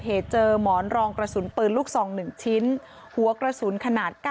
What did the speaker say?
เหตุเจอหมอนรองกระสุนปืนลูกทรองหนึ่งชิ้นหัวกระสุนขนาด๙